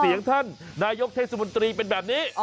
เสียงท่านนายกเทศมนตรีเป็นแบบนี้